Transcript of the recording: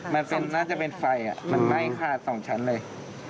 มันน่าจะเป็นไฟมันไหม้ขาด๒ชั้นเลย